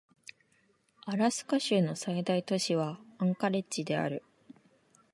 アラスカ州の最大都市はアンカレッジである